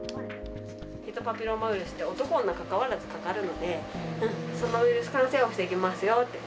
ヒトパピローマウイルスって、男、女かかわらずかかるので、そのウイルス感染を防ぎますよっていう。